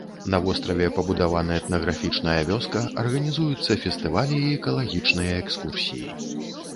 На востраве пабудавана этнаграфічная вёска, арганізуюцца фестывалі і экалагічныя экскурсіі.